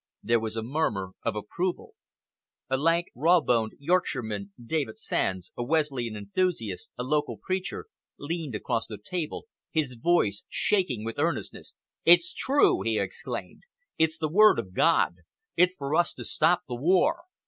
There was a murmur of approval. A lank, rawboned Yorkshireman David Sands a Wesleyan enthusiast, a local preacher, leaned across the table, his voice shaking with earnestness: "It's true!" he exclaimed. "It's the word of God! It's for us to stop the war.